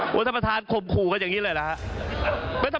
ท่านประธานข่มขู่กันอย่างนี้เลยเหรอครับ